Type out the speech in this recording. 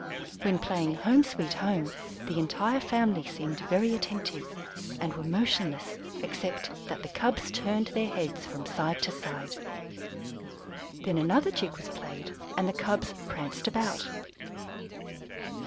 When playing 'Home, Sweet Home,' the entire family seemed very attentive, and were motionless except that the cubs turned their heads from side to side. Then another jig was played and the cubs pranced about."